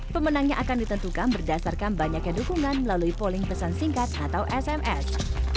pemenangnya akan ditentukan berdasarkan banyaknya dukungan melalui polling pesan singkat atau sms